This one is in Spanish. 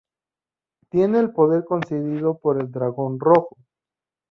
Tiene el poder concedido por el Dragón Rojo.